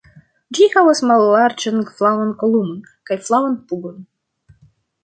Ĝi havas mallarĝan flavan kolumon kaj flavan pugon.